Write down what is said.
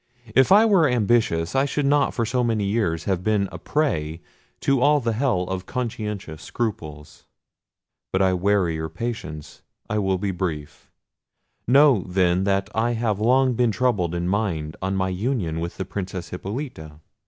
If I were ambitious, I should not for so many years have been a prey to all the hell of conscientious scruples. But I weary your patience: I will be brief. Know, then, that I have long been troubled in mind on my union with the Princess Hippolita.